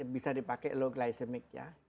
bisa dipakai low glizamic ya